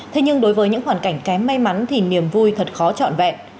thế nhưng đối với những hoàn cảnh kém may mắn thì niềm vui thật khó trọn vẹn